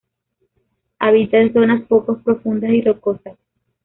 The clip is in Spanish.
Habita en zonas poco profundas y rocosas.